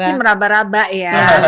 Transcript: saya sih meraba raba ya